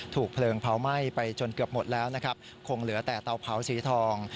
ถูกเพลิงเผาไหม้ไปจนเกือบหมดแล้วนะครับคงเหลือแต่เตาเผาสีทอง